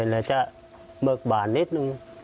เลยจะเบิกบาดนิดหนึ่ง